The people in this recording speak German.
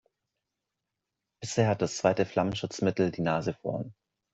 Bisher hat das zweite Flammschutzmittel die Nase vorn.